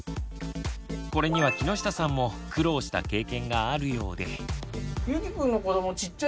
これには木下さんも苦労した経験があるようで。